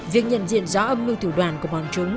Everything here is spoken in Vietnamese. việc nhận diện rõ âm mưu thủ đoàn của bọn chúng